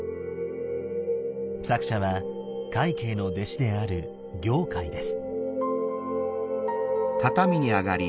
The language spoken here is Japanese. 作者は快慶の弟子である行快です。